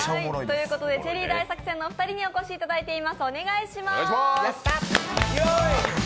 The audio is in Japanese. チェリー大作戦のお二人にお越しいただいています。